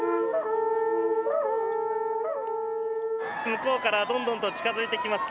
向こうからどんどんと近付いてきます。